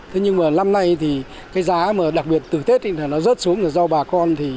thế nhưng mà năm nay thì cái giá mà đặc biệt từ tết thì nó rớt xuống là do bà con